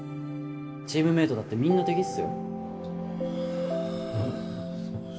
チームメイトだってみんな敵っすよ